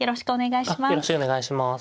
よろしくお願いします。